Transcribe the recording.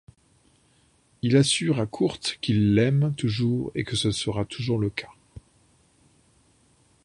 Il assure à Kurt qu'il l'aime toujours et que ce sera toujours le cas.